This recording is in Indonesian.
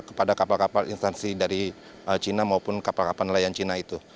kepada kapal kapal instansi dari china maupun kapal kapal nelayan cina itu